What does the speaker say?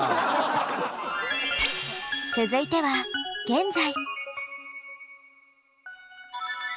続いては現在。